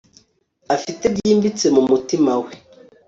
Afite byimbitse mumutima we